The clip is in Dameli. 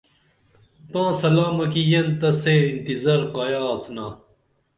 تاں سلامہ کی یین تہ سے انتظار کایہ آڅِنا